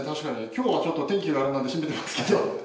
今日はちょっと天気が悪いので閉めてますけど。